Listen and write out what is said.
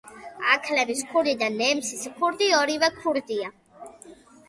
აქლემის ქურდი და ნემსის ქურდი ორივე ქურდია.